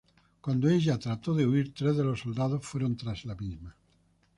Cuando ella trató de huir, tres de los soldados fueron tras ella.